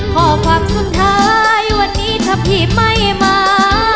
ข้อความสุดท้ายวันนี้ถ้าพี่ไม่มา